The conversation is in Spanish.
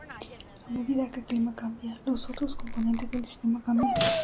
A medida que el clima cambia, los otros componentes del sistema cambian.